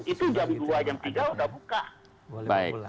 itu jam dua jam tiga udah buka